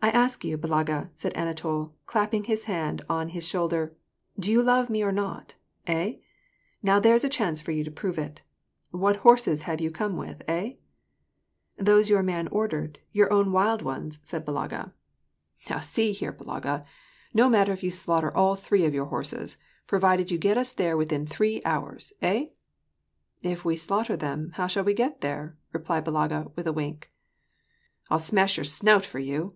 " I ask you, Balaga," said Anatol, clapping his hand on his shoulder, " do you love me, or not, hey ? Now there's a chance for you to prove it. What horses have you come with, hey ?"" Those your man ordered, your own wild ones," said Balaga. * Yarmanka lor Yarmarka, Jahrmarkt, Annual market. 372 t^AR AKD PEACE. " Now see lier6, Balaga. No matter if you slaughter all thre^ of your horses, provided you get us there within three hours. Hey ?"" If we slaughter them, how shall we get there ?" replied Balaga with a wink. " I'll smash your snout for you